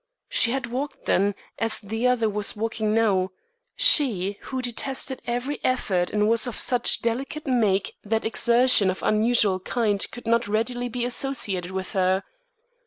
She had walked then, as the other was walking now; she, who detested every effort and was of such delicate make that exertion of unusual kind could not readily be associated with her.